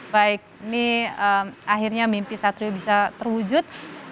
baik ini akhirnya mimpi satrio bisa terwujud